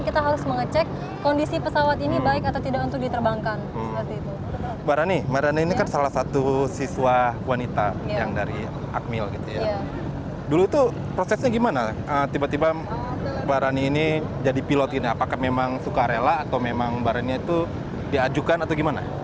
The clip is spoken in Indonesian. tiba tiba barani ini jadi pilot ini apakah memang suka rela atau memang barani itu diajukan atau gimana